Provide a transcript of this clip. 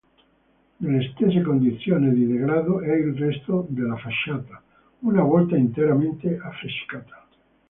Nelle stesse condizioni di degrado è il resto della facciata, una volta interamente affrescata.